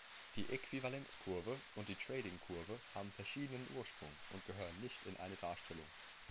Die Äquivalenz-Kurve und die Trading-Kurve haben verschiedenen Ursprung und gehören nicht in eine Darstellung.